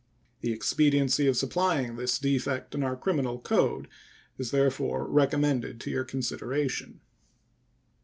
The expediency of supplying this defect in our criminal code is therefore recommended to your consideration.